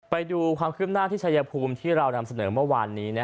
ไปดูความคืบหน้าที่ชายภูมิที่เรานำเสนอเมื่อวานนี้